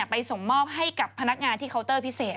ไปส่งมอบให้กับพนักงานที่เคาน์เตอร์พิเศษ